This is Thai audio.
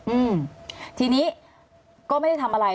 อืมทีนี้ก็ไม่ได้ทำอะไร